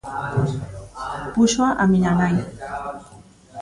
Púxoa a miña nai.